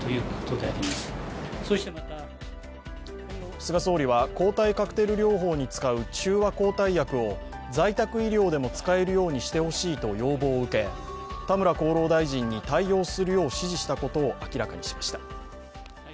菅総理は、抗体カクテル療法に使う中和抗体薬を在宅医療でも使えるようにしてほしいと要望を受け田村厚労大臣に対応するよう指示したことを明らかにしました。